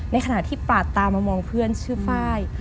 ในขณะที่ปาดตามามองเพื่อนชื่อไฟล์